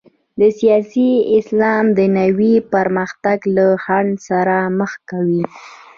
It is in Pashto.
سیاسي اسلام دنیوي پرمختګ له خنډ سره مخ کوي.